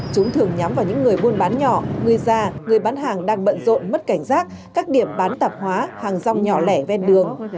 chúng thường nhắm vào những người buôn bán nhỏ người già người bán hàng đang bận rộn mất cảnh giác các điểm bán tạp hóa hàng rong nhỏ lẻ ven đường